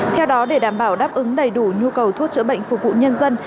theo đó để đảm bảo đáp ứng đầy đủ nhu cầu thuốc chữa bệnh phục vụ nhân dân